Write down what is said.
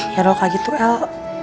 berangkat ya bukannya